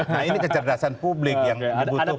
nah ini kecerdasan publik yang dibutuhkan